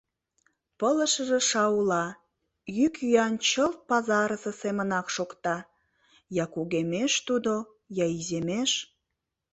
Пылышыже шаула, йӱк-йӱан чылт пазарысе семынак шокта — я кугемеш тудо, я иземеш.